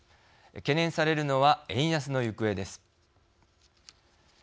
懸念されるのは、円安の行方です。